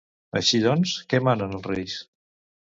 Així doncs, què manen els reis?